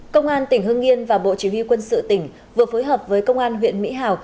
công an tỉnh hưng yên và bộ chỉ huy quân sự tỉnh vừa phối hợp với công an huyện mỹ hào